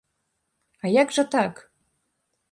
А як жа так?